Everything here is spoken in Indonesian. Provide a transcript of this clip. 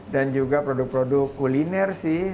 dan juga produk produk kuliner sih